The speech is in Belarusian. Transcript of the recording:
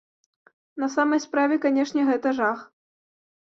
На самай справе, канешне, гэта жах!